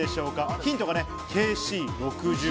ヒントはね、ＫＣ６０。